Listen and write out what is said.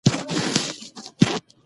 کابل د افغانستان د موسم د بدلون سبب کېږي.